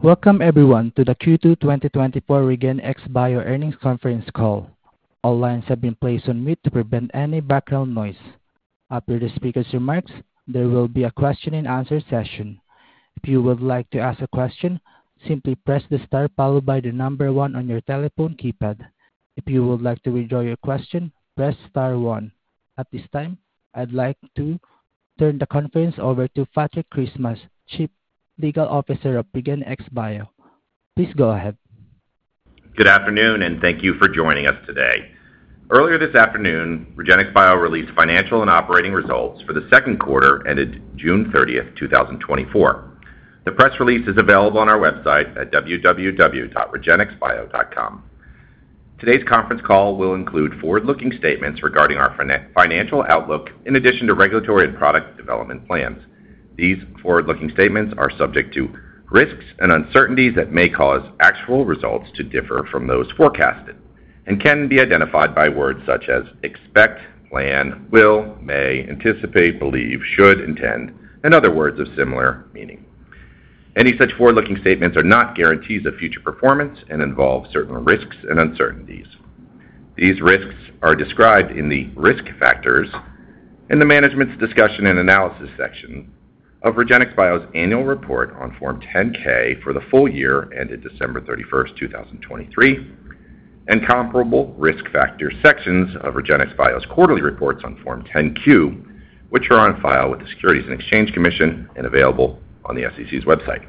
Welcome everyone, to the Q2 2024 REGENXBIO Earnings Conference Call. All lines have been placed on mute to prevent any background noise. After the speaker's remarks, there will be a question-and-answer session. If you would like to ask a question, simply press the star followed by the number one on your telephone keypad. If you would like to withdraw your question, press star one. At this time, I'd like to turn the conference over to Patrick Christmas, Chief Legal Officer of REGENXBIO. Please go ahead. Good afternoon, and thank you for joining us today. Earlier this afternoon, REGENXBIO released financial and operating results for the second quarter ended June 30, 2024. The press release is available on our website at www.regenxbio.com. Today's conference call will include forward-looking statements regarding our financial outlook, in addition to regulatory and product development plans. These forward-looking statements are subject to risks and uncertainties that may cause actual results to differ from those forecasted and can be identified by words such as expect, plan, will, may, anticipate, believe, should, intend, and other words of similar meaning. Any such forward-looking statements are not guarantees of future performance and involve certain risks and uncertainties. These risks are described in the Risk Factors in the Management's Discussion and Analysis section of REGENXBIO's annual report on Form 10-K for the full year ended December thirty-first, two thousand and twenty-three, and comparable Risk Factor sections of REGENXBIO's quarterly reports on Form 10-Q, which are on file with the Securities and Exchange Commission and available on the SEC's website.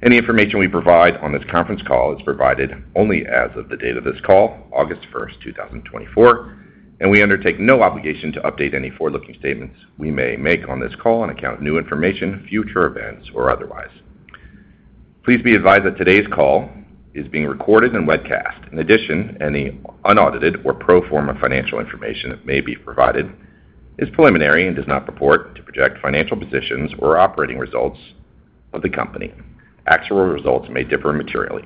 Any information we provide on this conference call is provided only as of the date of this call, August first, two thousand and twenty-four, and we undertake no obligation to update any forward-looking statements we may make on this call on account of new information, future events, or otherwise. Please be advised that today's call is being recorded and webcast. In addition, any unaudited or pro forma financial information that may be provided is preliminary and does not purport to project financial positions or operating results of the company. Actual results may differ materially.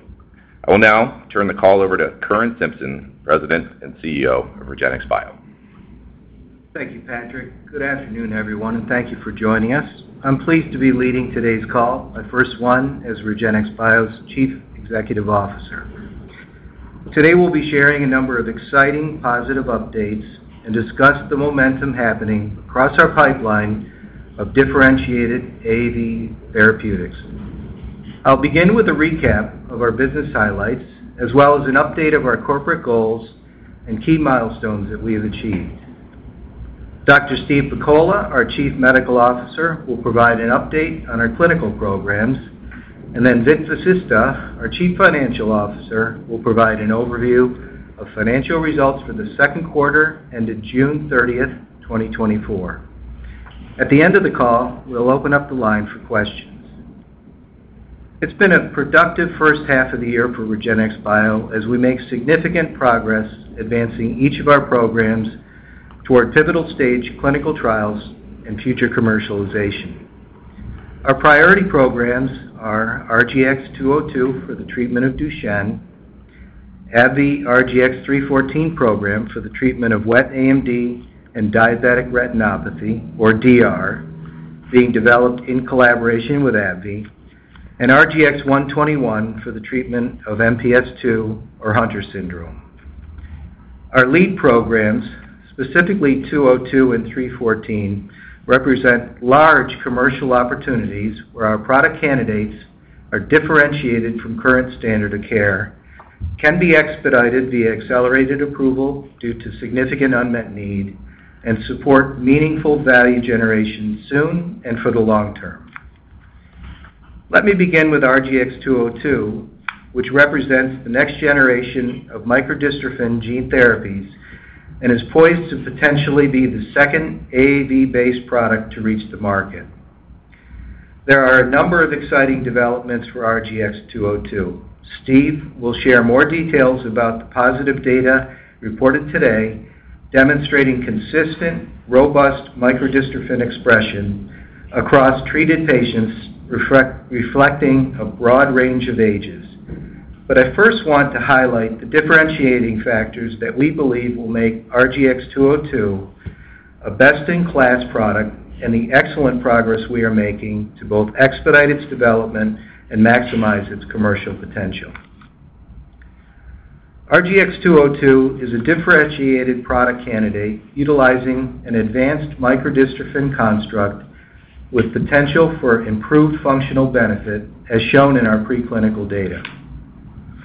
I will now turn the call over to Curran Simpson, President and CEO of REGENXBIO. Thank you, Patrick. Good afternoon, everyone, and thank you for joining us. I'm pleased to be leading today's call, my first one as REGENXBIO's Chief Executive Officer. Today, we'll be sharing a number of exciting, positive updates and discuss the momentum happening across our pipeline of differentiated AAV therapeutics. I'll begin with a recap of our business highlights, as well as an update of our corporate goals and key milestones that we have achieved. Dr. Steve Pakola, our Chief Medical Officer, will provide an update on our clinical programs, and then Vit Vasista, our Chief Financial Officer, will provide an overview of financial results for the second quarter ended June 30, 2024. At the end of the call, we'll open up the line for questions. It's been a productive first half of the year for REGENXBIO as we make significant progress advancing each of our programs toward pivotal stage clinical trials and future commercialization. Our priority programs are RGX-202 for the treatment of Duchenne, AbbVie RGX-314 program for the treatment of wet AMD and diabetic retinopathy, or DR, being developed in collaboration with AbbVie, and RGX-121 for the treatment of MPS II, or Hunter syndrome. Our lead programs, specifically 202 and 314, represent large commercial opportunities where our product candidates are differentiated from current standard of care, can be expedited via accelerated approval due to significant unmet need, and support meaningful value generation soon and for the long term. Let me begin with RGX-202, which represents the next generation of microdystrophin gene therapies and is poised to potentially be the second AAV-based product to reach the market. There are a number of exciting developments for RGX-202. Steve will share more details about the positive data reported today, demonstrating consistent, robust microdystrophin expression across treated patients, reflecting a broad range of ages. But I first want to highlight the differentiating factors that we believe will make RGX-202 a best-in-class product and the excellent progress we are making to both expedite its development and maximize its commercial potential. RGX-202 is a differentiated product candidate utilizing an advanced microdystrophin construct with potential for improved functional benefit, as shown in our preclinical data.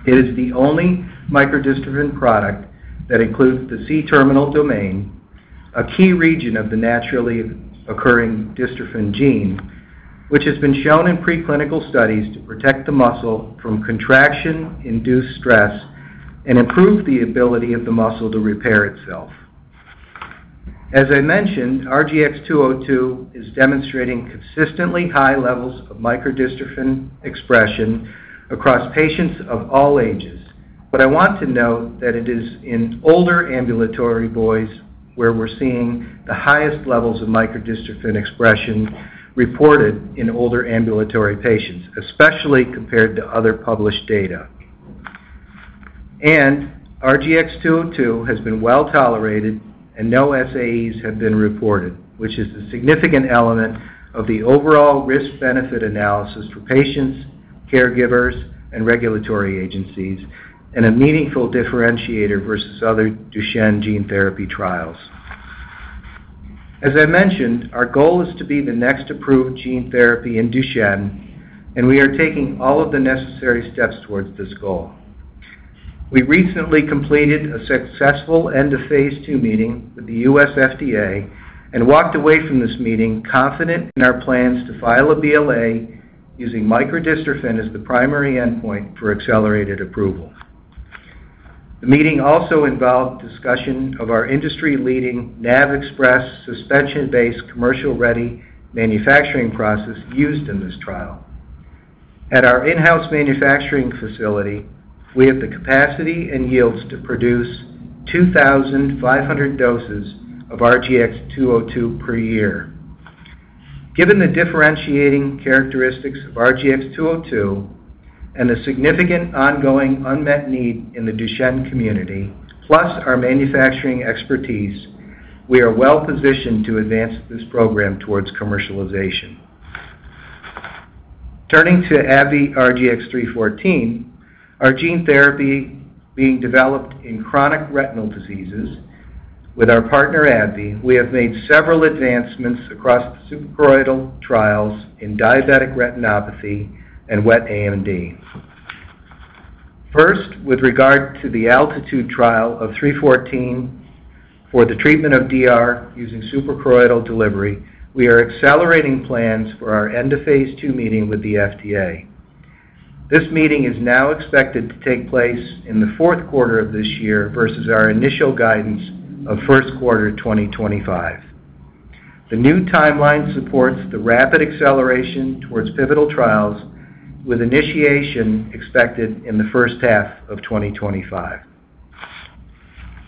It is the only Microdystrophin product that includes the C-terminal domain, a key region of the naturally occurring dystrophin gene, which has been shown in preclinical studies to protect the muscle from contraction-induced stress and improve the ability of the muscle to repair itself. As I mentioned, RGX-202 is demonstrating consistently high levels of Microdystrophin expression across patients of all ages. But I want to note that it is in older ambulatory boys where we're seeing the highest levels of Microdystrophin expression reported in older ambulatory patients, especially compared to other published data.... RGX-202 has been well tolerated, and no SAEs have been reported, which is a significant element of the overall risk-benefit analysis for patients, caregivers, and regulatory agencies, and a meaningful differentiator versus other Duchenne gene therapy trials. As I mentioned, our goal is to be the next approved gene therapy in Duchenne, and we are taking all of the necessary steps towards this goal. We recently completed a successful End-of-Phase II Meeting with the U.S. FDA and walked away from this meeting confident in our plans to file a BLA using microdystrophin as the primary endpoint for accelerated approval. The meeting also involved discussion of our industry-leading NAVXpress suspension-based commercial-ready manufacturing process used in this trial. At our in-house manufacturing facility, we have the capacity and yields to produce 2,500 doses of RGX-202 per year. Given the differentiating characteristics of RGX-202 and the significant ongoing unmet need in the Duchenne community, plus our manufacturing expertise, we are well positioned to advance this program towards commercialization. Turning to AbbVie RGX-314, our gene therapy being developed in chronic retinal diseases with our partner, AbbVie, we have made several advancements across the suprachoroidal trials in diabetic retinopathy and wet AMD. First, with regard to the ALTITUDE trial of 314 for the treatment of DR using suprachoroidal delivery, we are accelerating plans for our end-of-Phase II meeting with the FDA. This meeting is now expected to take place in the fourth quarter of this year versus our initial guidance of first quarter 2025. The new timeline supports the rapid acceleration towards pivotal trials, with initiation expected in the first half of 2025.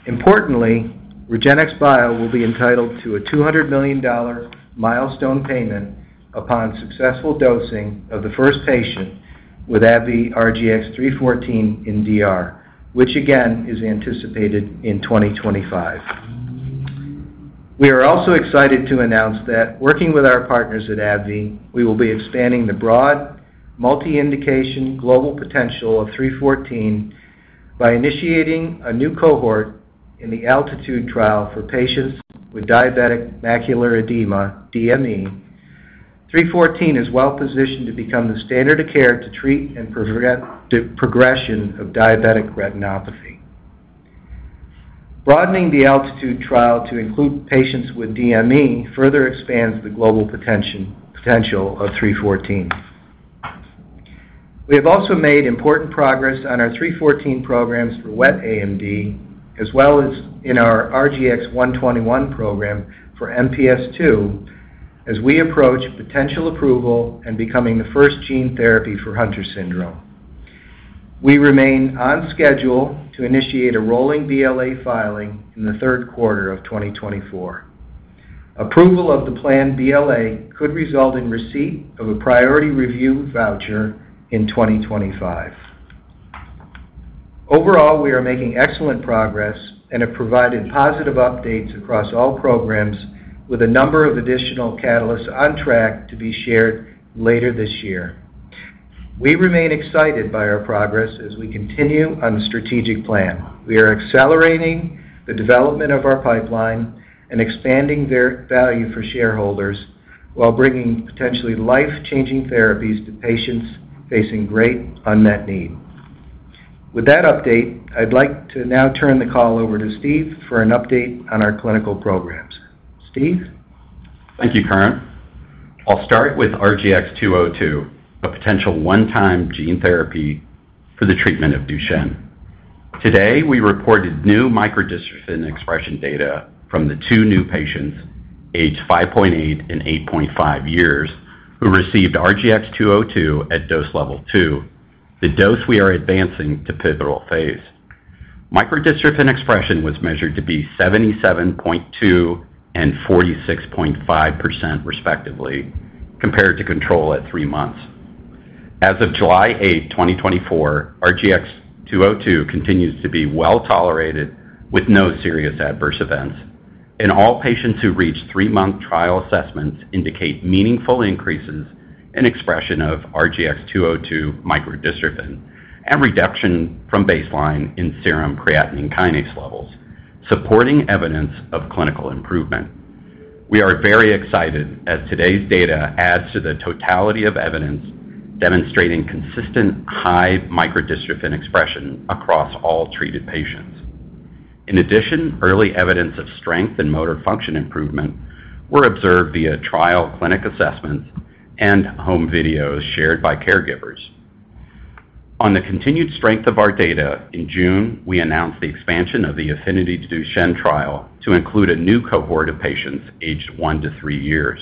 Importantly, REGENXBIO will be entitled to a $200 million milestone payment upon successful dosing of the first patient with AbbVie RGX-314 in DR, which again, is anticipated in 2025. We are also excited to announce that working with our partners at AbbVie, we will be expanding the broad, multi-indication global potential of RGX-314 by initiating a new cohort in the ALTITUDE trial for patients with diabetic macular edema, DME. RGX-314 is well positioned to become the standard of care to treat and prevent the progression of diabetic retinopathy. Broadening the ALTITUDE trial to include patients with DME further expands the global potential of RGX-314. We have also made important progress on our RGX-314 programs for wet AMD, as well as in our RGX-121 program for MPS II, as we approach potential approval and becoming the first gene therapy for Hunter syndrome. We remain on schedule to initiate a rolling BLA filing in the third quarter of 2024. Approval of the planned BLA could result in receipt of a priority review voucher in 2025. Overall, we are making excellent progress and have provided positive updates across all programs, with a number of additional catalysts on track to be shared later this year. We remain excited by our progress as we continue on the strategic plan. We are accelerating the development of our pipeline and expanding their value for shareholders while bringing potentially life-changing therapies to patients facing great unmet need. With that update, I'd like to now turn the call over to Steve for an update on our clinical programs. Steve? Thank you, Curran. I'll start with RGX-202, a potential one-time gene therapy for the treatment of Duchenne. Today, we reported new microdystrophin expression data from the two new patients, aged 5.8 and 8.5 years, who received RGX-202 at dose level two, the dose we are advancing to pivotal phase. Microdystrophin expression was measured to be 77.2 and 46.5%, respectively, compared to control at three months. As of July 8, 2024, RGX-202 continues to be well-tolerated with no serious adverse events, and all patients who reach three-month trial assessments indicate meaningful increases in expression of RGX-202 microdystrophin and reduction from baseline in serum creatinine kinase levels, supporting evidence of clinical improvement. We are very excited as today's data adds to the totality of evidence demonstrating consistent high microdystrophin expression across all treated patients. In addition, early evidence of strength and motor function improvement were observed via trial clinic assessments and home videos shared by caregivers. On the continued strength of our data, in June, we announced the expansion of the AFFINITY DUCHENNE trial to include a new cohort of patients aged 1 to 3 years.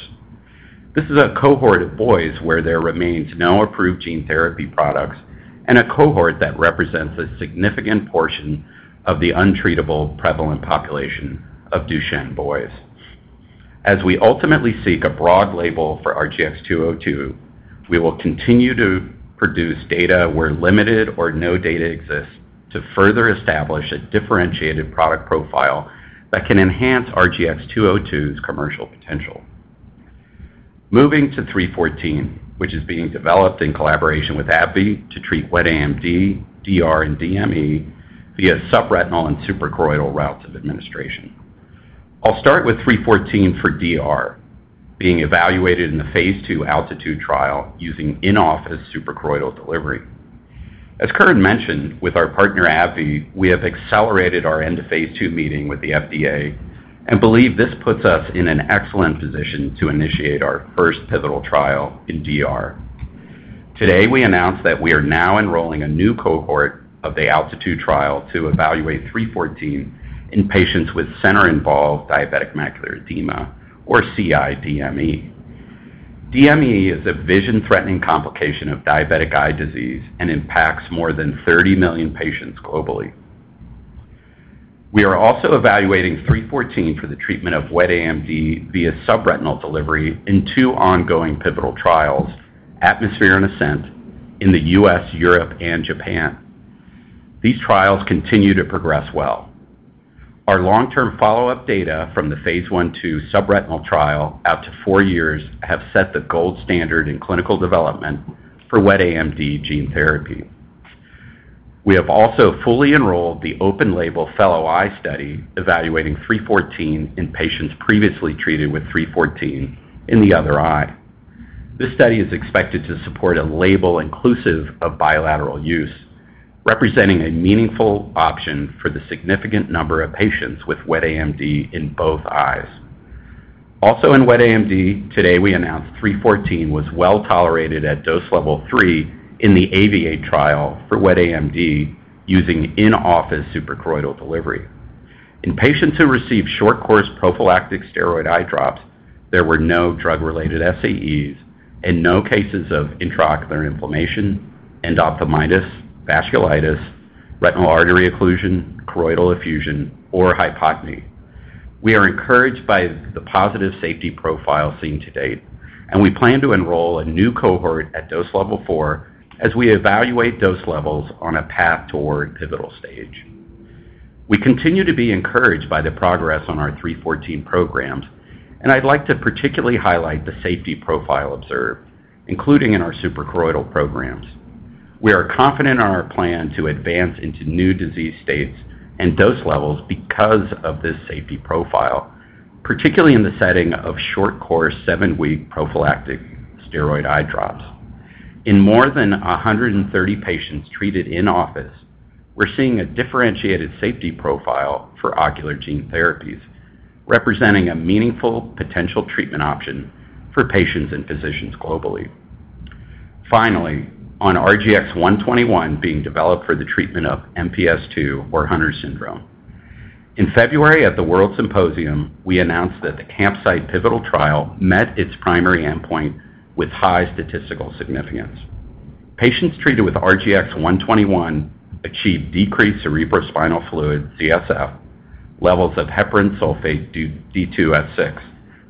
This is a cohort of boys where there remains no approved gene therapy products and a cohort that represents a significant portion of the untreatable prevalent population of Duchenne boys.... As we ultimately seek a broad label for RGX-202, we will continue to produce data where limited or no data exists to further establish a differentiated product profile that can enhance RGX-202's commercial potential. Moving to RGX-314, which is being developed in collaboration with AbbVie to treat wet AMD, DR, and DME via subretinal and suprachoroidal routes of administration. I'll start with 314 for DR, being evaluated in the Phase II Altitude trial using in-office suprachoroidal delivery. As Curran mentioned, with our partner, AbbVie, we have accelerated our end-of-Phase II meeting with the FDA and believe this puts us in an excellent position to initiate our first pivotal trial in DR. Today, we announced that we are now enrolling a new cohort of the Altitude trial to evaluate 314 in patients with center-involved diabetic macular edema or CI-DME. DME is a vision-threatening complication of diabetic eye disease and impacts more than 30 million patients globally. We are also evaluating 314 for the treatment of wet AMD via subretinal delivery in two ongoing pivotal trials, Atmosphere and Ascent, in the US, Europe, and Japan. These trials continue to progress well. Our long-term follow-up data from the Phase I/II subretinal trial out to 4 years have set the gold standard in clinical development for wet AMD gene therapy. We have also fully enrolled the open-label fellow eye study, evaluating 314 in patients previously treated with 314 in the other eye. This study is expected to support a label inclusive of bilateral use, representing a meaningful option for the significant number of patients with wet AMD in both eyes. Also in wet AMD, today, we announced 314 was well tolerated at dose level 3 in the AAVIATE trial for wet AMD, using in-office suprachoroidal delivery. In patients who received short-course prophylactic steroid eye drops, there were no drug-related SAEs and no cases of intraocular inflammation, endophthalmitis, vasculitis, retinal artery occlusion, choroidal effusion, or hypotony. We are encouraged by the positive safety profile seen to date, and we plan to enroll a new cohort at dose level 4 as we evaluate dose levels on a path toward pivotal stage. We continue to be encouraged by the progress on our 314 programs, and I'd like to particularly highlight the safety profile observed, including in our suprachoroidal programs. We are confident in our plan to advance into new disease states and dose levels because of this safety profile, particularly in the setting of short-course, 7-week prophylactic steroid eye drops. In more than 130 patients treated in office, we're seeing a differentiated safety profile for ocular gene therapies, representing a meaningful potential treatment option for patients and physicians globally. Finally, on RGX-121 being developed for the treatment of MPS II or Hunter syndrome. In February, at the World Symposium, we announced that the CAMPSITE pivotal trial met its primary endpoint with high statistical significance. Patients treated with RGX-121 achieved decreased cerebrospinal fluid, CSF, levels of heparan sulfate D2S6,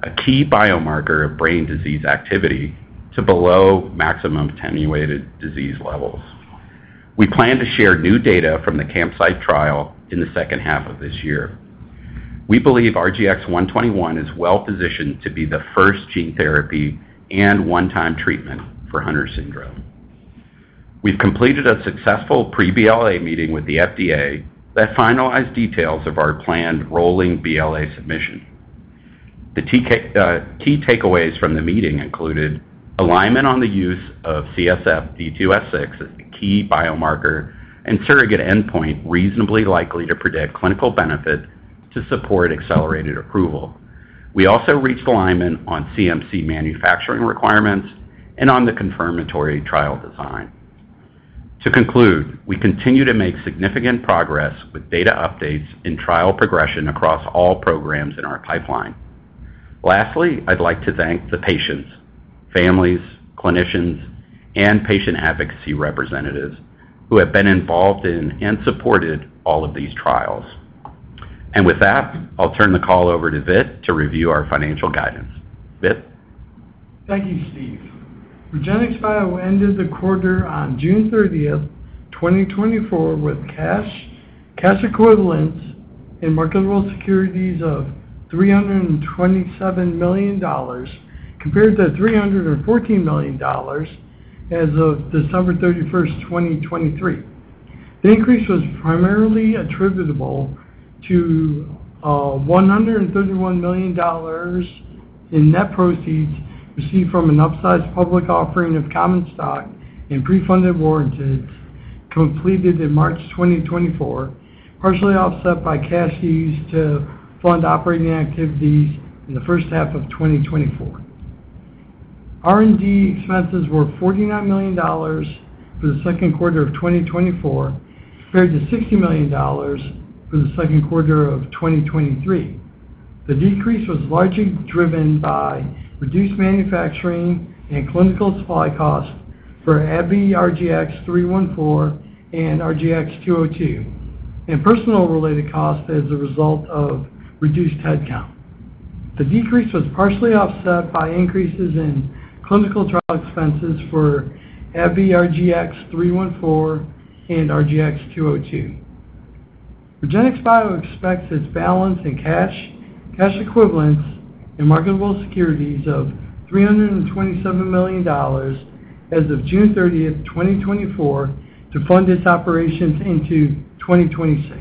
a key biomarker of brain disease activity, to below maximum attenuated disease levels. We plan to share new data from the CAMPSITE trial in the second half of this year. We believe RGX-121 is well positioned to be the first gene therapy and one-time treatment for Hunter syndrome. We've completed a successful pre-BLA meeting with the FDA that finalized details of our planned rolling BLA submission. The key takeaways from the meeting included alignment on the use of CSF D2S6 as the key biomarker and surrogate endpoint, reasonably likely to predict clinical benefit to support accelerated approval. We also reached alignment on CMC manufacturing requirements and on the confirmatory trial design. To conclude, we continue to make significant progress with data updates and trial progression across all programs in our pipeline. Lastly, I'd like to thank the patients, families, clinicians, and patient advocacy representatives who have been involved in and supported all of these trials. And with that, I'll turn the call over to Vit to review our financial guidance. Vit? Thank you, Steve. REGENXBIO ended the quarter on June thirtieth, 2024, with cash, cash equivalents, and marketable securities of $327 million, compared to $314 million as of December thirty-first, 2023. The increase was primarily attributable to $131 million in net proceeds received from an upsized public offering of common stock and pre-funded warranties completed in March 2024, partially offset by cash used to fund operating activities in the first half of 2024. R&D expenses were $49 million for the second quarter of 2024, compared to $60 million for the second quarter of 2023. The decrease was largely driven by reduced manufacturing and clinical supply costs for AbbVie RGX-314 and RGX-202 and personnel-related costs as a result of reduced headcount. The decrease was partially offset by increases in clinical trial expenses for AbbVie RGX-314 and RGX-202. REGENXBIO expects its balance in cash, cash equivalents, and marketable securities of $327 million as of June 30, 2024, to fund its operations into 2026.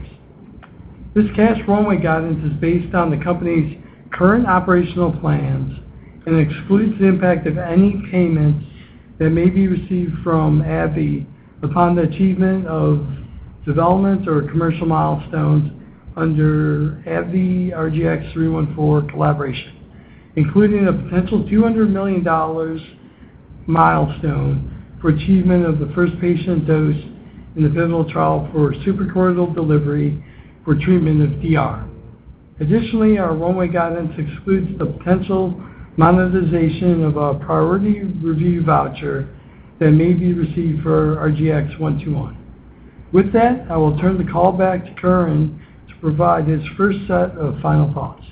This cash runway guidance is based on the company's current operational plans and excludes the impact of any payments that may be received from AbbVie upon the achievement of development or commercial milestones under AbbVie RGX-314 collaboration, including a potential $200 million milestone for achievement of the first patient dose in the pivotal trial for suprachoroidal delivery for treatment of DR. Additionally, our runway guidance excludes the potential monetization of a priority review voucher that may be received for RGX-121. With that, I will turn the call back to Curran to provide his first set of final thoughts.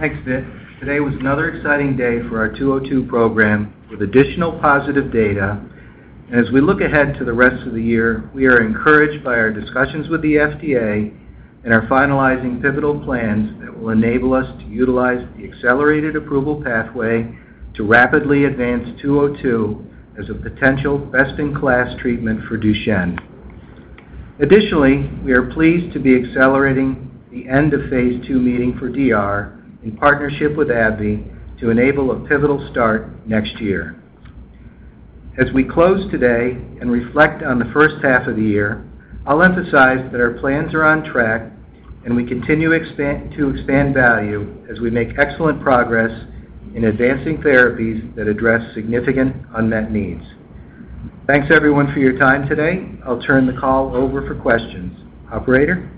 Thanks, Vit. Today was another exciting day for our 202 program, with additional positive data. As we look ahead to the rest of the year, we are encouraged by our discussions with the FDA and are finalizing pivotal plans that will enable us to utilize the accelerated approval pathway to rapidly advance 202 as a potential best-in-class treatment for Duchenne. Additionally, we are pleased to be accelerating the end-of-Phase II meeting for DR in partnership with AbbVie, to enable a pivotal start next year. As we close today and reflect on the first half of the year, I'll emphasize that our plans are on track, and we continue to expand value as we make excellent progress in advancing therapies that address significant unmet needs. Thanks, everyone, for your time today. I'll turn the call over for questions. Operator?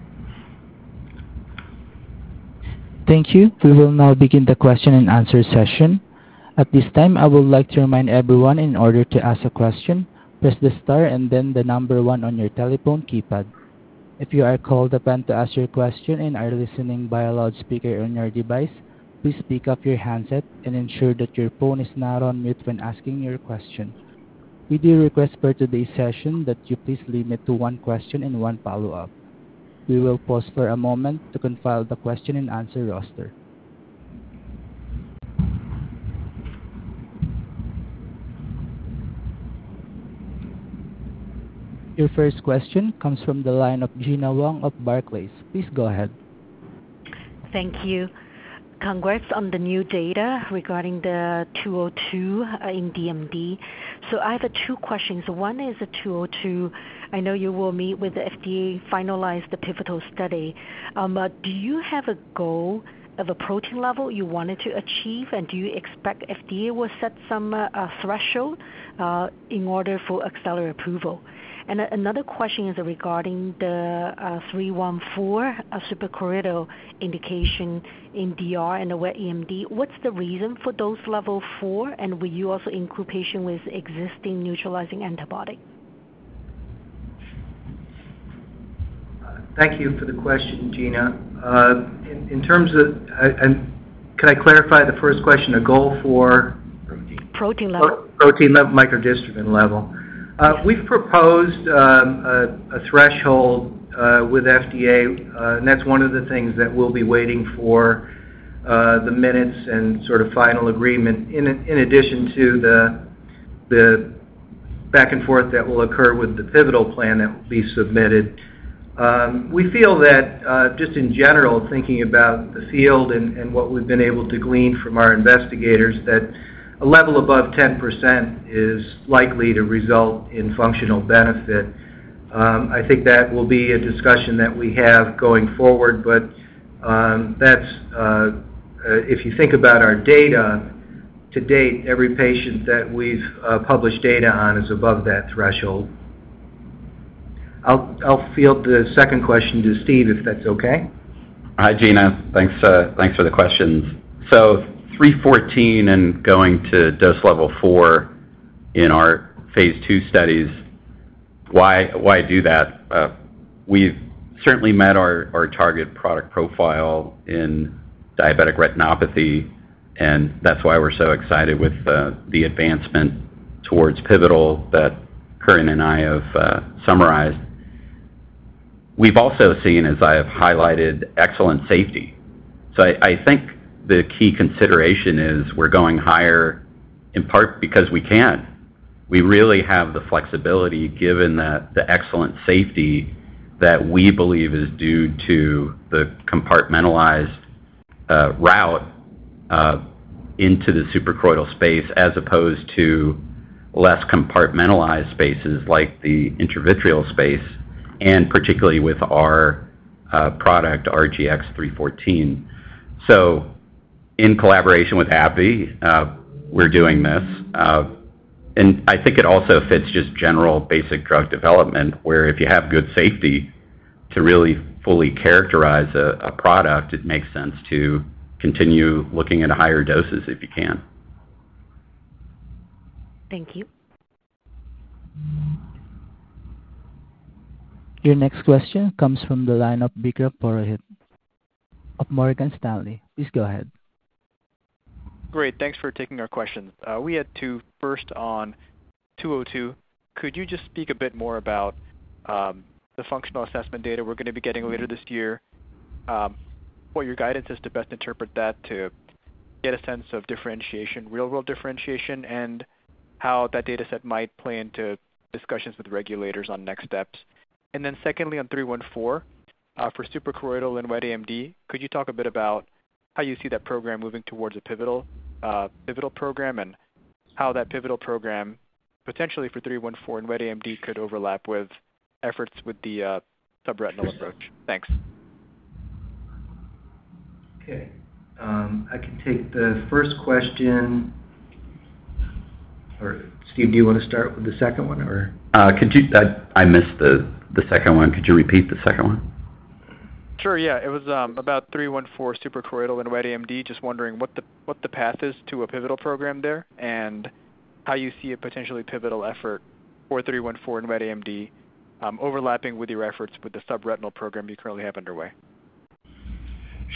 Thank you. We will now begin the question-and-answer session. At this time, I would like to remind everyone, in order to ask a question, press the star and then the number one on your telephone keypad. If you are called upon to ask your question and are listening via loudspeaker on your device, please pick up your handset and ensure that your phone is not on mute when asking your question. We do request for today's session that you please limit to one question and one follow-up. We will pause for a moment to compile the question-and-answer roster. Your first question comes from the line of Gana Wang of Barclays. Please go ahead. Thank you. Congrats on the new data regarding the 202 in DMD. So I have two questions. One is a 202. I know you will meet with the FDA to finalize the pivotal study. But do you have a goal of a protein level you wanted to achieve? And do you expect FDA will set some a threshold in order for accelerated approval? And another question is regarding the 314, a suprachoroidal indication in DR in the wet AMD. What's the reason for dose level 4, and will you also include patient with existing neutralizing antibiotic? Thank you for the question, Gina. In terms of... And can I clarify the first question, a goal for- Protein level. Protein level, microdystrophin level. Yes. We've proposed a threshold with FDA, and that's one of the things that we'll be waiting for, the minutes and sort of final agreement in addition to the back and forth that will occur with the pivotal plan that will be submitted. We feel that, just in general, thinking about the field and what we've been able to glean from our investigators, that a level above 10% is likely to result in functional benefit. I think that will be a discussion that we have going forward, but that's, if you think about our data to date, every patient that we've published data on is above that threshold. I'll field the second question to Steve, if that's okay. Hi, Gina. Thanks, thanks for the questions. So 314 and going to dose level 4 in our Phase II studies, why, why do that? We've certainly met our, our target product profile in diabetic retinopathy, and that's why we're so excited with the advancement towards pivotal that Curran and I have summarized. We've also seen, as I have highlighted, excellent safety. So I think the key consideration is we're going higher, in part, because we can. We really have the flexibility, given that the excellent safety that we believe is due to the compartmentalized route into the suprachoroidal space, as opposed to less compartmentalized spaces like the intravitreal space, and particularly with our product, RGX-314. So in collaboration with AbbVie, we're doing this. I think it also fits just general basic drug development, where if you have good safety to really fully characterize a product, it makes sense to continue looking at higher doses if you can. Thank you. Your next question comes from the line of Vikram Purohit of Morgan Stanley. Please go ahead. Great, thanks for taking our questions. We had two. First, on 202, could you just speak a bit more about the functional assessment data we're going to be getting later this year, what your guidance is to best interpret that to get a sense of differentiation, real-world differentiation, and how that data set might play into discussions with regulators on next steps? And then secondly, on 314, for suprachoroidal and wet AMD, could you talk a bit about how you see that program moving towards a pivotal, pivotal program, and how that pivotal program, potentially for 314 and wet AMD, could overlap with efforts with the subretinal approach? Thanks. Okay, I can take the first question. Or Steve, do you want to start with the second one, or? Could you... I missed the second one. Could you repeat the second one? Sure, yeah. It was about 314 suprachoroidal and wet AMD. Just wondering what the path is to a pivotal program there, and how you see a potentially pivotal effort for 314 and wet AMD overlapping with your efforts with the subretinal program you currently have underway.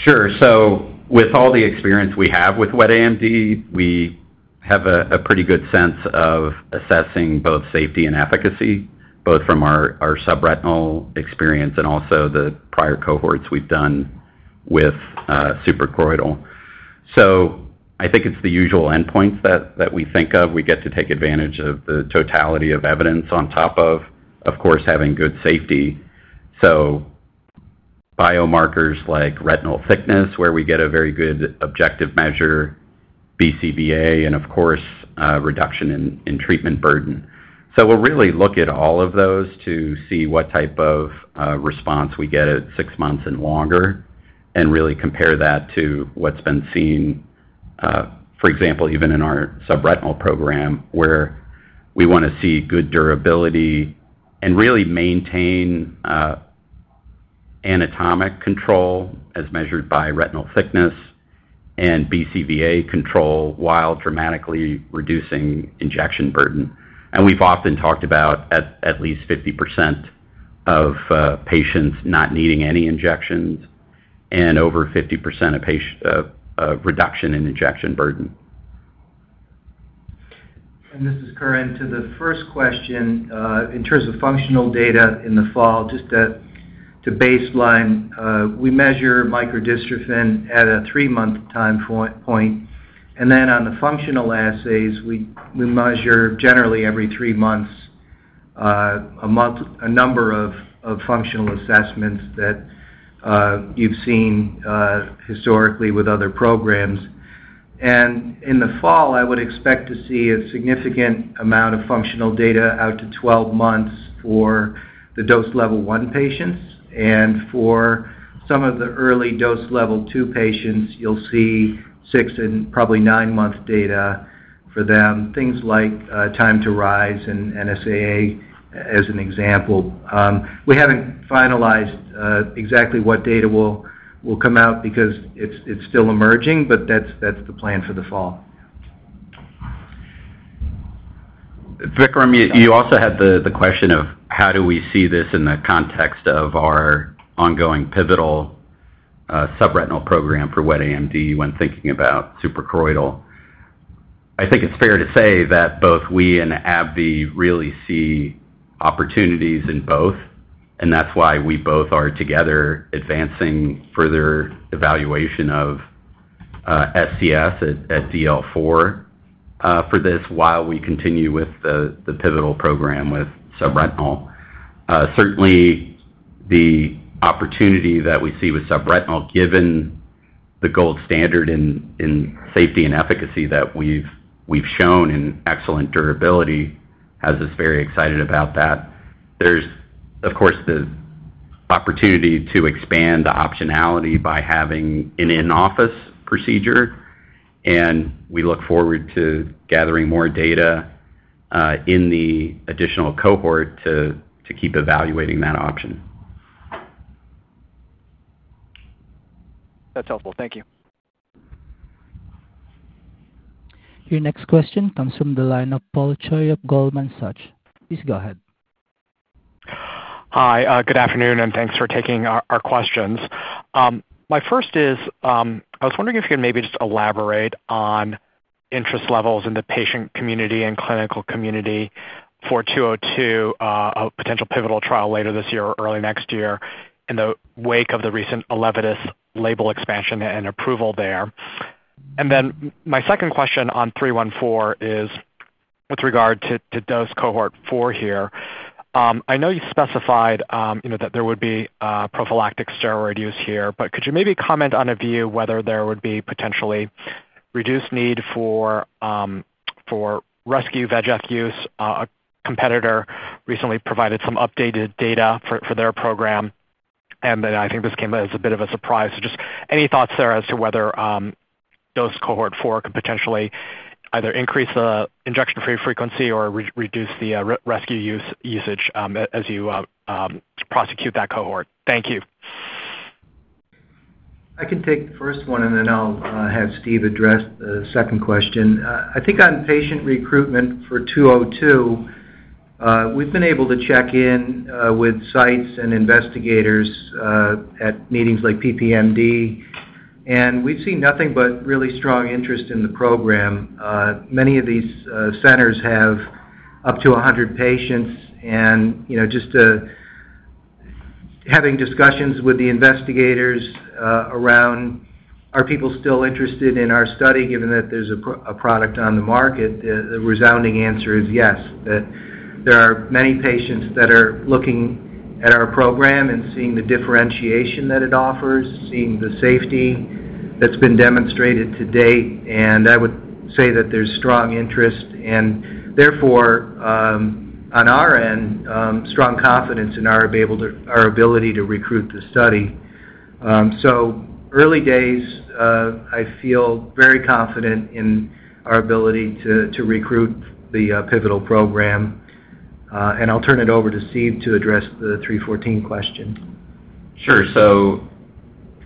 Sure. So with all the experience we have with wet AMD, we have a pretty good sense of assessing both safety and efficacy, both from our subretinal experience and also the prior cohorts we've done with suprachoroidal. So I think it's the usual endpoints that we think of. We get to take advantage of the totality of evidence on top of, of course, having good safety. So biomarkers like retinal thickness, where we get a very good objective measure, BCVA, and of course, reduction in treatment burden. So we'll really look at all of those to see what type of response we get at six months and longer, and really compare that to what's been seen, for example, even in our subretinal program, where we want to see good durability and really maintain anatomic control as measured by retinal thickness and BCVA control, while dramatically reducing injection burden. We've often talked about at least 50% of patients not needing any injections and over 50% reduction in injection burden. This is Curran. To the first question, in terms of functional data in the fall, just to baseline, we measure microdystrophin at a 3-month time point, and then on the functional assays, we measure generally every 3 months a number of functional assessments that you've seen historically with other programs. And in the fall, I would expect to see a significant amount of functional data out to 12 months for the dose level 1 patients, and for some of the early dose level 2 patients, you'll see 6- and probably 9-month data for them, things like time to rise and NSAA, as an example. We haven't finalized exactly what data will come out because it's still emerging, but that's the plan for the fall. Vikram, you also had the question of how do we see this in the context of our ongoing pivotal subretinal program for wet AMD when thinking about suprachoroidal. I think it's fair to say that both we and AbbVie really see opportunities in both, and that's why we both are together advancing further evaluation of SCS at DL 4 for this, while we continue with the pivotal program with subretinal. Certainly the opportunity that we see with subretinal, given the gold standard in safety and efficacy that we've shown and excellent durability, has us very excited about that. There's, of course, the opportunity to expand the optionality by having an in-office procedure, and we look forward to gathering more data in the additional cohort to keep evaluating that option. That's helpful. Thank you. Your next question comes from the line of Paul Choi of Goldman Sachs. Please go ahead. Hi, good afternoon, and thanks for taking our questions. My first is, I was wondering if you could maybe just elaborate on interest levels in the patient community and clinical community for 202, a potential pivotal trial later this year or early next year in the wake of the recent Elevidys label expansion and approval there. And then my second question on 314 is with regard to dose cohort 4 here. I know you specified, you know, that there would be prophylactic steroid use here, but could you maybe comment on a view whether there would be potentially reduced need for rescue VEGF use? A competitor recently provided some updated data for their program, and then I think this came as a bit of a surprise. So just any thoughts there as to whether dose cohort 4 could potentially either increase the injection-free frequency or reduce the rescue use, usage as you prosecute that cohort? Thank you.... I can take the first one, and then I'll have Steve address the second question. I think on patient recruitment for 202, we've been able to check in with sites and investigators at meetings like PPMD, and we've seen nothing but really strong interest in the program. Many of these centers have up to 100 patients, and, you know, just having discussions with the investigators around, are people still interested in our study given that there's a product on the market? The resounding answer is yes, that there are many patients that are looking at our program and seeing the differentiation that it offers, seeing the safety that's been demonstrated to date. I would say that there's strong interest and therefore, on our end, strong confidence in our ability to recruit the study. Early days, I feel very confident in our ability to recruit the pivotal program. I'll turn it over to Steve to address the 314 question. Sure. So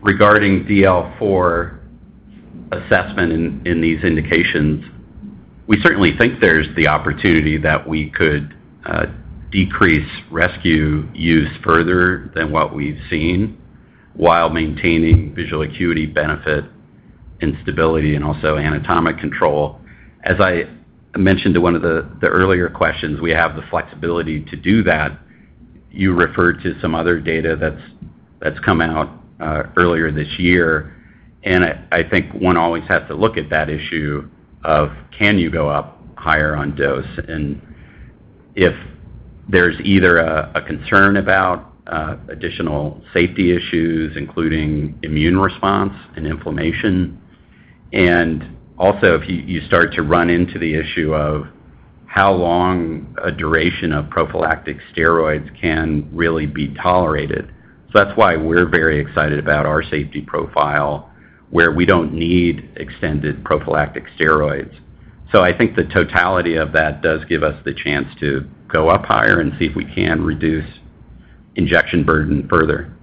regarding DL4 assessment in these indications, we certainly think there's the opportunity that we could decrease rescue use further than what we've seen, while maintaining visual acuity benefit and stability, and also anatomic control. As I mentioned to one of the earlier questions, we have the flexibility to do that. You referred to some other data that's come out earlier this year, and I think one always has to look at that issue of can you go up higher on dose? And if there's either a concern about additional safety issues, including immune response and inflammation, and also if you start to run into the issue of how long a duration of prophylactic steroids can really be tolerated. So that's why we're very excited about our safety profile, where we don't need extended prophylactic steroids. I think the totality of that does give us the chance to go up higher and see if we can reduce injection burden further.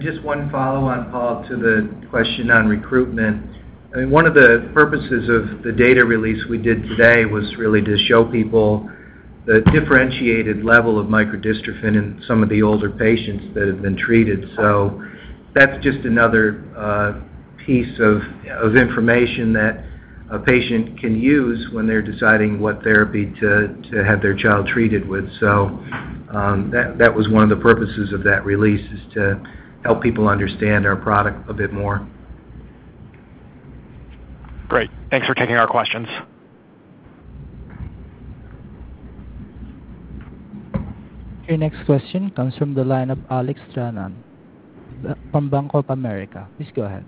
Just one follow-on, Paul, to the question on recruitment. I mean, one of the purposes of the data release we did today was really to show people the differentiated level of microdystrophin in some of the older patients that have been treated. So that's just another piece of information that a patient can use when they're deciding what therapy to have their child treated with. So that was one of the purposes of that release, is to help people understand our product a bit more. Great. Thanks for taking our questions. Your next question comes from the line of Alex Trenton from Bank of America. Please go ahead.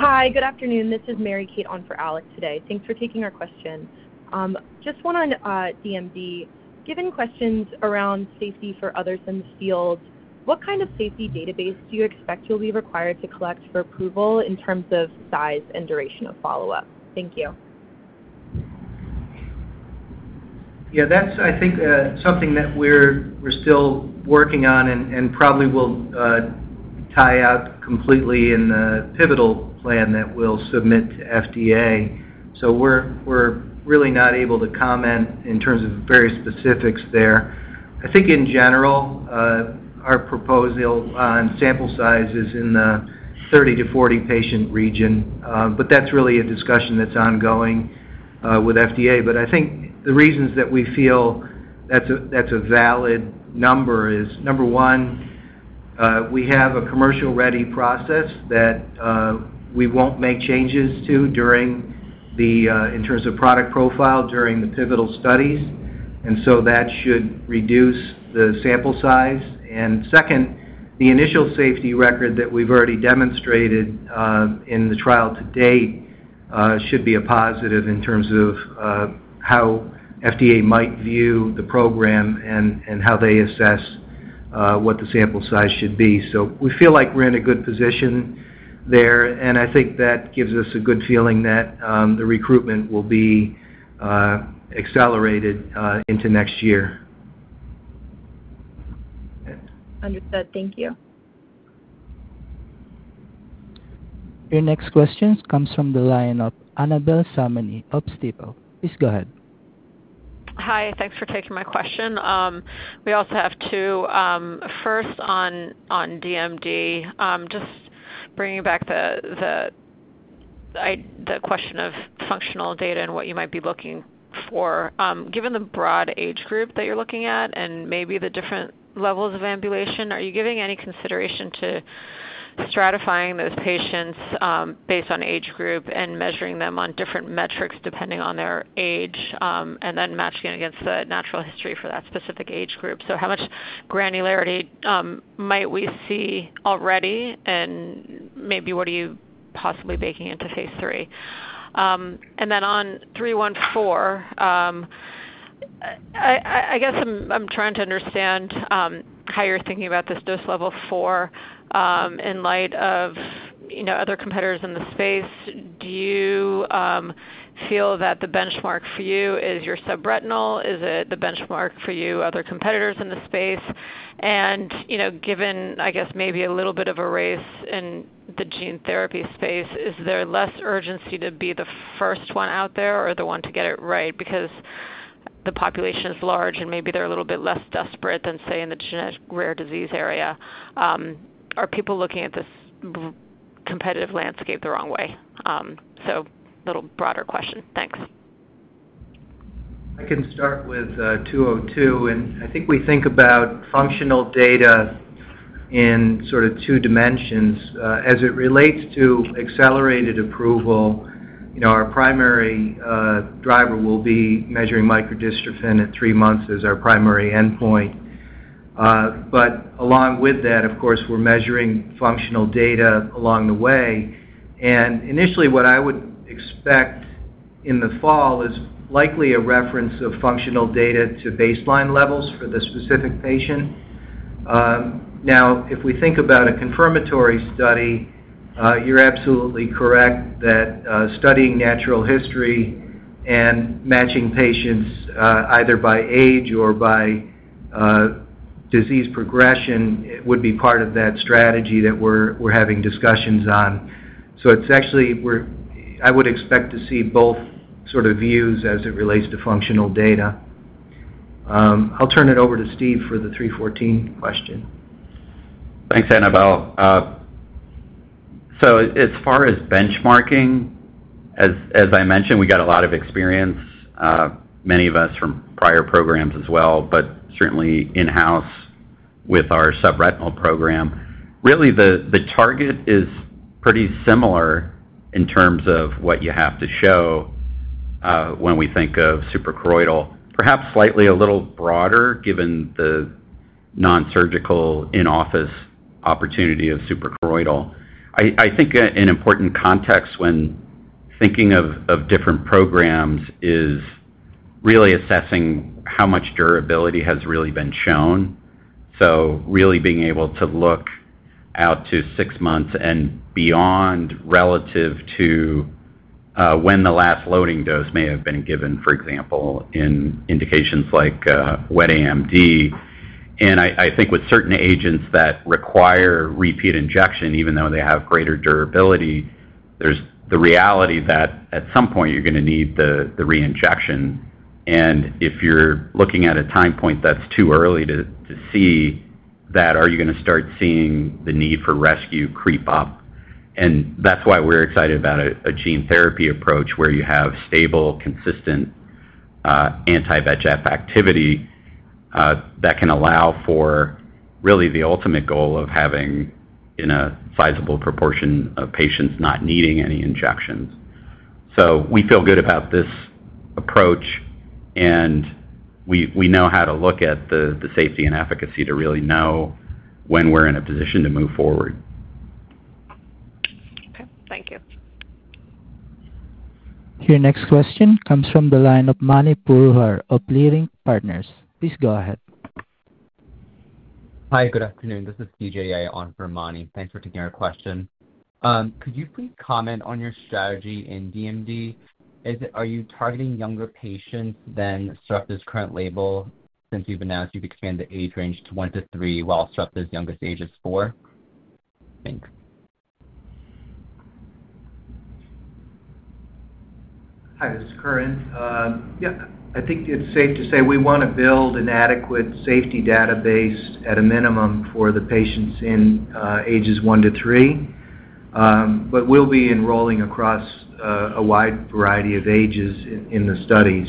Hi, good afternoon. This is Mary Kate on for Alex today. Thanks for taking our questions. Just one on DMD. Given questions around safety for others in the field, what kind of safety database do you expect you'll be required to collect for approval in terms of size and duration of follow-up? Thank you. Yeah, that's, I think, something that we're still working on and probably will tie out completely in the pivotal plan that we'll submit to FDA. So we're really not able to comment in terms of various specifics there. I think in general, our proposal on sample size is in the 30-40 patient region, but that's really a discussion that's ongoing with FDA. But I think the reasons that we feel that's a valid number is, number one, we have a commercial-ready process that we won't make changes to during the in terms of product profile during the pivotal studies, and so that should reduce the sample size. Second, the initial safety record that we've already demonstrated in the trial to date should be a positive in terms of how FDA might view the program and how they assess what the sample size should be. We feel like we're in a good position there, and I think that gives us a good feeling that the recruitment will be accelerated into next year. Understood. Thank you. Your next question comes from the line of Annabel Samani of Stifel. Please go ahead. Hi, thanks for taking my question. We also have two. First on DMD. Just bringing back the question of functional data and what you might be looking for. Given the broad age group that you're looking at and maybe the different levels of ambulation, are you giving any consideration to stratifying those patients based on age group and measuring them on different metrics depending on their age, and then matching it against the natural history for that specific age group? So how much granularity might we see already, and maybe what are you possibly baking into Phase III? And then on 314, I guess I'm trying to understand how you're thinking about this dose level 4 in light of, you know, other competitors in the space. Do you feel that the benchmark for you is your subretinal? Is it the benchmark for you, other competitors in the space? And, you know, given, I guess, maybe a little bit of a race in the gene therapy space, is there less urgency to be the first one out there or the one to get it right because the population is large and maybe they're a little bit less desperate than, say, in the genetic rare disease area? Are people looking at this competitive landscape the wrong way? So a little broader question. Thanks. I can start with 202, and I think we think about functional data in sort of two dimensions. As it relates to accelerated approval, you know, our primary driver will be measuring Microdystrophin at 3 months as our primary endpoint. But along with that, of course, we're measuring functional data along the way. And initially, what I would expect in the fall is likely a reference of functional data to baseline levels for the specific patient. Now, if we think about a confirmatory study, you're absolutely correct that studying natural history and matching patients either by age or by disease progression would be part of that strategy that we're having discussions on. So it's actually I would expect to see both sort of views as it relates to functional data. I'll turn it over to Steve for the 314 question. Thanks, Annabel. So as far as benchmarking, as I mentioned, we got a lot of experience, many of us from prior programs as well, but certainly in-house with our subretinal program. Really, the target is pretty similar in terms of what you have to show, when we think of suprachoroidal, perhaps slightly a little broader, given the nonsurgical in-office opportunity of suprachoroidal. I think an important context when thinking of different programs is really assessing how much durability has really been shown. So really being able to look out to six months and beyond relative to when the last loading dose may have been given, for example, in indications like wet AMD. And I think with certain agents that require repeat injection, even though they have greater durability, there's the reality that at some point you're going to need the reinjection. And if you're looking at a time point that's too early to see that, are you going to start seeing the need for rescue creep up? And that's why we're excited about a gene therapy approach where you have stable, consistent, anti-VEGF activity that can allow for really the ultimate goal of having in a sizable proportion of patients not needing any injections. So we feel good about this approach, and we know how to look at the safety and efficacy to really know when we're in a position to move forward. Okay. Thank you. Your next question comes from the line of Mani Foroohar of Leerink Partners. Please go ahead. Hi, good afternoon. This is DJA on for Mani. Thanks for taking our question. Could you please comment on your strategy in DMD? Is it-- are you targeting younger patients than Sarepta's current label, since you've announced you've expanded the age range to 1-3, while Sarepta's youngest age is 4? Thanks. Hi, this is Curran. Yeah, I think it's safe to say we want to build an adequate safety database at a minimum for the patients in ages 1 to 3. But we'll be enrolling across a wide variety of ages in the studies.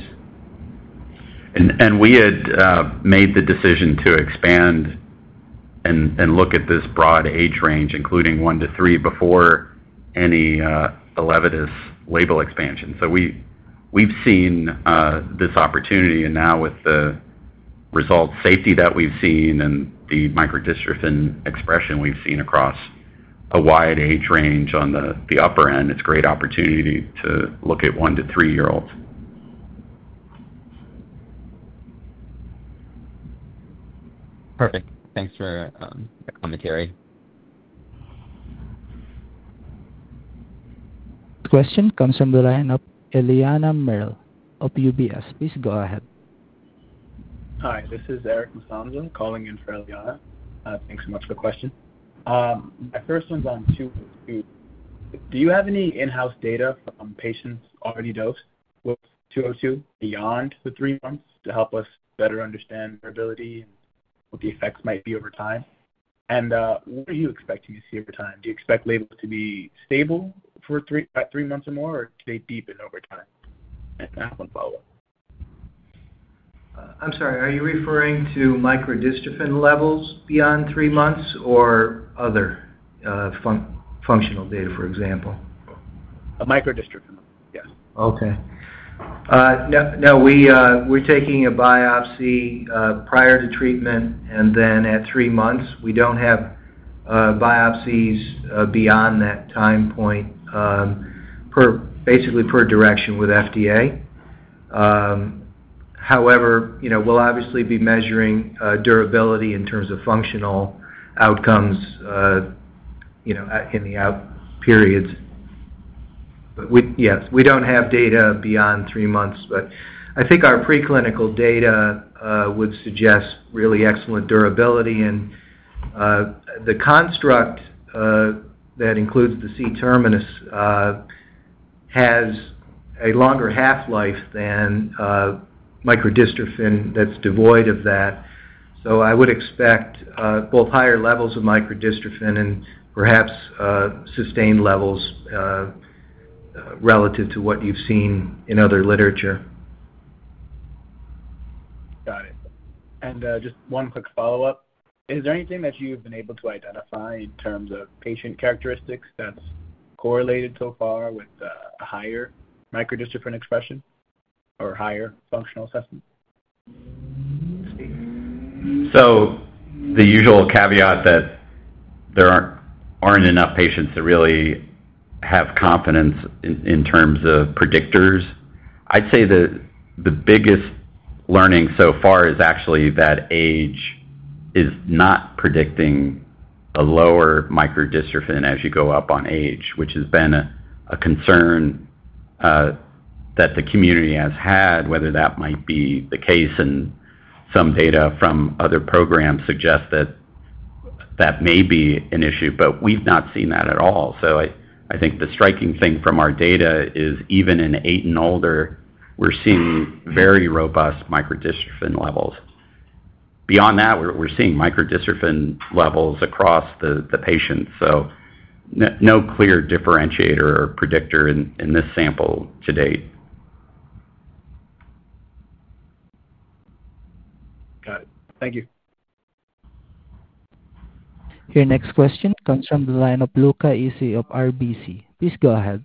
And we had made the decision to expand and look at this broad age range, including one to three, before any Elevidys label expansion. So we've seen this opportunity, and now with the result safety that we've seen and the microdystrophin expression we've seen across a wide age range on the upper end, it's a great opportunity to look at one to three-year-olds. Perfect. Thanks for your commentary. Question comes from the line of Eliana Merle of UBS. Please go ahead. Hi, this is Eric Masanja calling in for Eliana. Thanks so much for the question. My first one's on 202. Do you have any in-house data on patients already dosed with 202 beyond the 3 months to help us better understand variability and what the effects might be over time? And what are you expecting to see over time? Do you expect label to be stable at 3 months or more, or do they deepen over time? And I have one follow-up. I'm sorry, are you referring to Microdystrophin levels beyond three months or other, functional data, for example? A Microdystrophin, yes. Okay. No, no, we're taking a biopsy prior to treatment, and then at 3 months, we don't have biopsies beyond that time point, basically per direction with FDA. However, you know, we'll obviously be measuring durability in terms of functional outcomes, you know, at, in the outpatient periods. But yes, we don't have data beyond 3 months, but I think our preclinical data would suggest really excellent durability. And the construct that includes the C terminus has a longer half-life than Microdystrophin that's devoid of that. So I would expect both higher levels of Microdystrophin and perhaps sustained levels relative to what you've seen in other literature. Got it. And, just one quick follow-up. Is there anything that you've been able to identify in terms of patient characteristics that's correlated so far with a higher microdystrophin expression or higher functional assessment? So the usual caveat that there aren't enough patients to really have confidence in terms of predictors. I'd say that the biggest learning so far is actually that age is not predicting a lower microdystrophin as you go up on age, which has been a concern that the community has had, whether that might be the case, and some data from other programs suggest that that may be an issue, but we've not seen that at all. So I think the striking thing from our data is even in 8 and older, we're seeing very robust microdystrophin levels. Beyond that, we're seeing microdystrophin levels across the patients, so no clear differentiator or predictor in this sample to date. Got it. Thank you. Your next question comes from the line of Luca Issi of RBC. Please go ahead.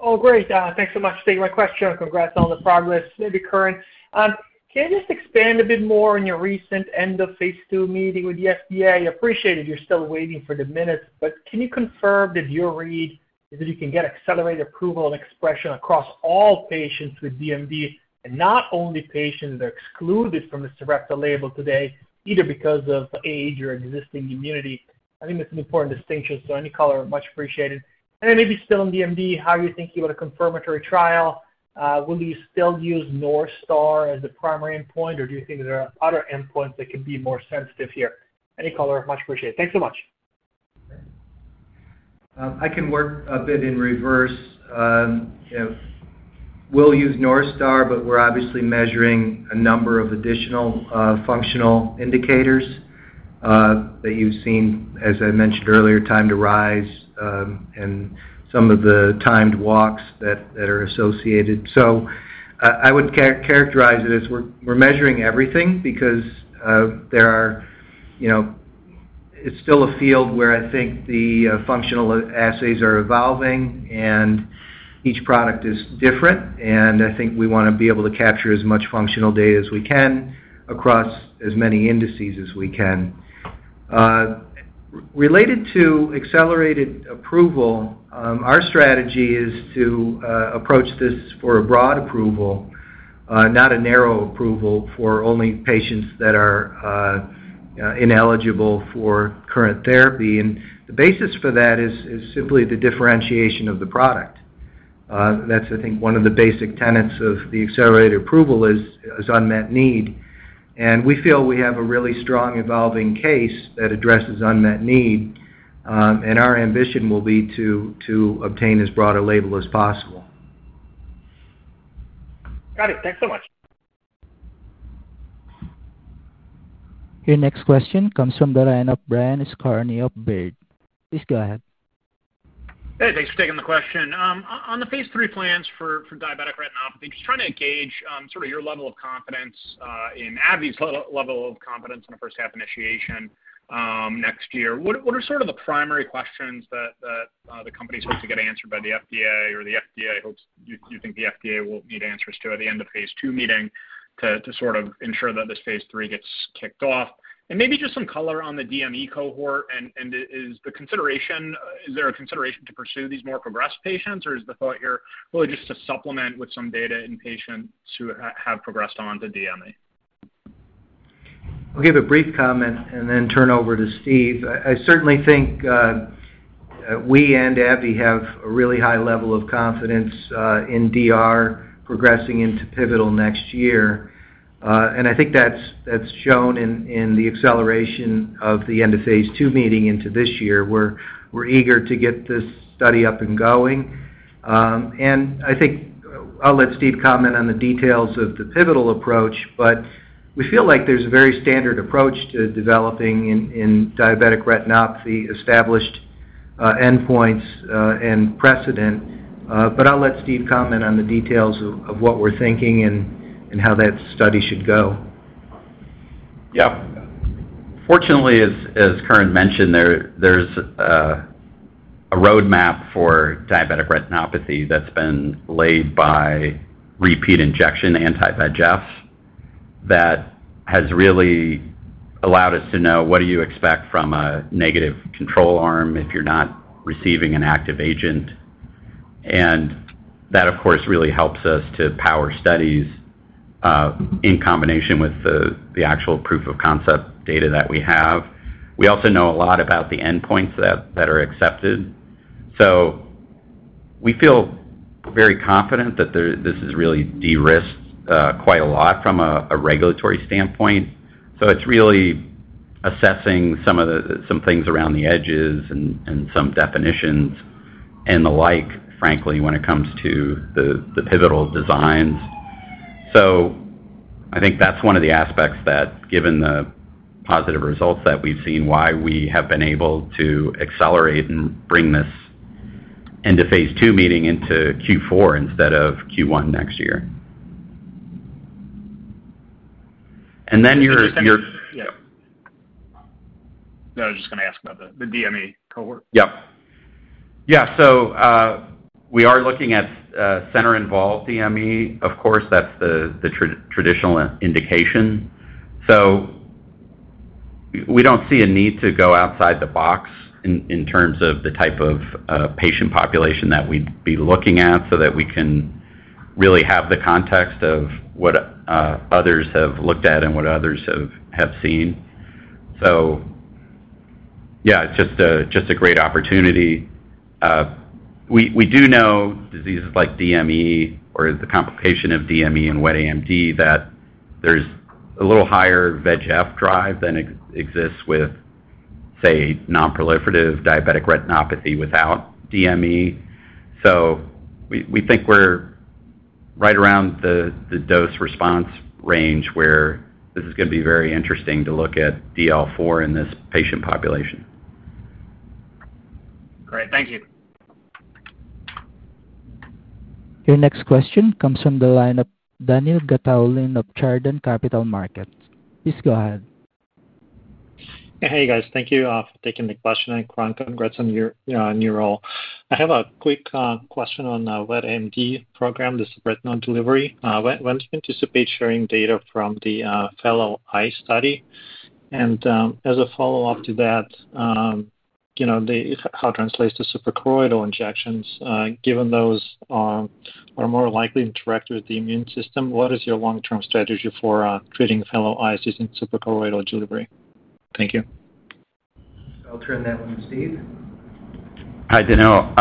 Oh, great, thanks so much for taking my question, and congrats on all the progress. Maybe, Curran, can you just expand a bit more on your recent End-of-Phase II Meeting with the FDA? I appreciate you're still waiting for the minutes, but can you confirm that your read is that you can get accelerated approval and expression across all patients with DMD, and not only patients that are excluded from the Sarepta label today, either because of age or existing immunity? I think that's an important distinction, so any color, much appreciated. And then maybe still on DMD, how are you thinking about a confirmatory trial? Will you still use North Star as the primary endpoint, or do you think there are other endpoints that can be more sensitive here? Any color, much appreciated. Thank you so much. I can work a bit in reverse. You know, we'll use North Star, but we're obviously measuring a number of additional functional indicators that you've seen, as I mentioned earlier, time to rise, and some of the timed walks that are associated. So I would characterize it as we're measuring everything because there are, you know... It's still a field where I think the functional assays are evolving, and each product is different, and I think we want to be able to capture as much functional data as we can across as many indices as we can. Related to accelerated approval, our strategy is to approach this for a broad approval, not a narrow approval for only patients that are ineligible for current therapy. The basis for that is simply the differentiation of the product. That's, I think, one of the basic tenets of the accelerated approval is unmet need, and we feel we have a really strong, evolving case that addresses unmet need, and our ambition will be to obtain as broad a label as possible. Got it. Thanks so much. Your next question comes from the line of Brian Skorney of Baird. Please go ahead. Hey, thanks for taking the question. On the phase III plans for Diabetic Retinopathy, just trying to gauge sort of your level of confidence in AbbVie's level of confidence in the first half initiation next year. What are sort of the primary questions that the company hopes to get answered by the FDA or the FDA hopes you think the FDA will need answers to at the end of phase II meeting to sort of ensure that this phase III gets kicked off? And maybe just some color on the DME cohort, and is there a consideration to pursue these more progressed patients, or is the thought here really just to supplement with some data in patients who have progressed on to DME? I'll give a brief comment and then turn over to Steve. I certainly think we and AbbVie have a really high level of confidence in DR progressing into pivotal next year. And I think that's shown in the acceleration of the end-of-Phase II meeting into this year. We're eager to get this study up and going. And I think I'll let Steve comment on the details of the pivotal approach, but we feel like there's a very standard approach to developing in diabetic retinopathy, established endpoints, and precedent. But I'll let Steve comment on the details of what we're thinking and how that study should go. Yeah. Fortunately, as Curran mentioned, there's a roadmap for diabetic retinopathy that's been laid by repeat injection anti-VEGF, that has really allowed us to know what do you expect from a negative control arm if you're not receiving an active agent. And that, of course, really helps us to power studies, in combination with the actual proof of concept data that we have. We also know a lot about the endpoints that are accepted. So we feel very confident that this is really de-risked, quite a lot from a regulatory standpoint. So it's really assessing some of the things around the edges and some definitions and the like, frankly, when it comes to the pivotal designs. So I think that's one of the aspects that, given the positive results that we've seen, why we have been able to accelerate and bring this into Phase II meeting into Q4 instead of Q1 next year. And then - Yeah. No, I was just gonna ask about the DME cohort. Yep. Yeah, so we are looking at center-involved DME. Of course, that's the traditional indication. So we don't see a need to go outside the box in terms of the type of patient population that we'd be looking at, so that we can really have the context of what others have looked at and what others have seen. So yeah, it's just a great opportunity. We do know diseases like DME, or the complication of DME and wet AMD, that there's a little higher VEGF drive than exists with, say, non-proliferative diabetic retinopathy without DME. So we think we're right around the dose response range, where this is gonna be very interesting to look at DL4 in this patient population. Great. Thank you. Your next question comes from the line of Dani Gataulin of Chardan. Please go ahead. Hey, guys. Thank you for taking the question. And Curran, congrats on your role. I have a quick question on wet AMD program, the subretinal delivery. When do you anticipate sharing data from the fellow eye study? And, as a follow-up to that, you know, how it translates to suprachoroidal injections, given those are more likely to interact with the immune system, what is your long-term strategy for treating fellow eyes using suprachoroidal delivery? Thank you. I'll turn that one to Steve. Hi, Daniel.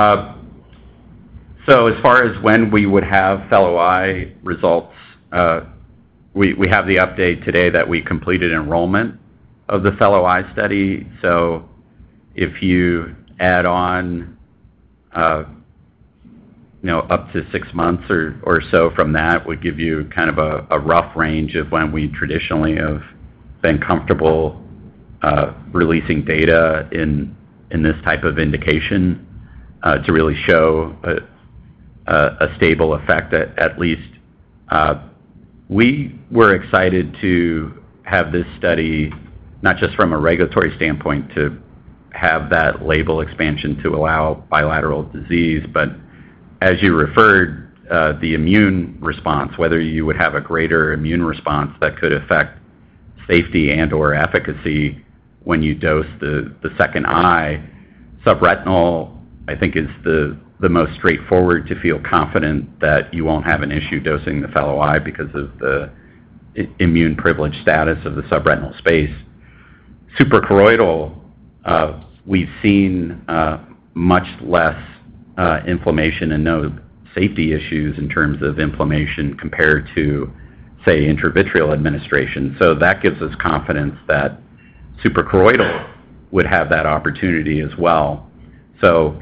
So as far as when we would have fellow eye results, we have the update today that we completed enrollment of the fellow eye study. So if you add on, you know, up to six months or so from that, would give you kind of a rough range of when we traditionally have been comfortable releasing data in this type of indication to really show a stable effect at least. We were excited to have this study, not just from a regulatory standpoint, to have that label expansion to allow bilateral disease, but as you referred, the immune response, whether you would have a greater immune response that could affect safety and/or efficacy when you dose the second eye. Subretinal, I think, is the most straightforward to feel confident that you won't have an issue dosing the fellow eye because of the immune privileged status of the subretinal space. Suprachoroidal, we've seen much less inflammation and no safety issues in terms of inflammation compared to, say, intravitreal administration. So that gives us confidence that suprachoroidal would have that opportunity as well. So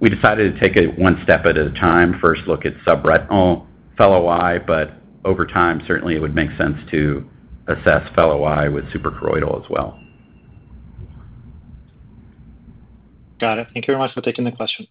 we decided to take it one step at a time. First, look at subretinal fellow eye, but over time, certainly it would make sense to assess fellow eye with suprachoroidal as well. Got it. Thank you very much for taking the question.